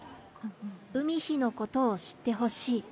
海陽のことを知ってほしい。